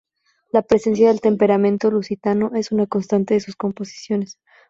La presencia del temperamento lusitano es una constante de sus composiciones.